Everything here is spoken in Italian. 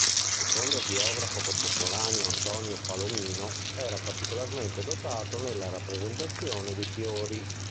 Secondo il biografo contemporaneo Antonio Palomino, era "particolarmente dotato" nella rappresentazione di fiori.